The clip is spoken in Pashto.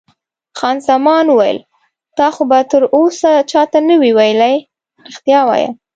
خان زمان وویل: تا خو به تراوسه چا ته نه وي ویلي؟ رښتیا وایه.